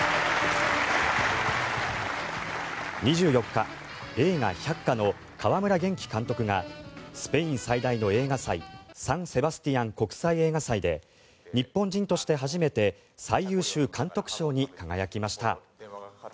２４日映画「百花」の川村元気監督がスペイン最大の映画祭サン・セバスティアン国際映画祭で日本人として初めて最優秀監督賞に輝きました。